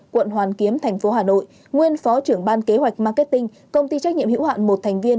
quận hoàn kiếm thành phố hà nội nguyên phó trưởng ban kế hoạch marketing công ty trách nhiệm hữu hạn một thành viên